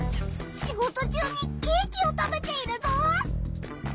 仕事中にケーキを食べているぞ！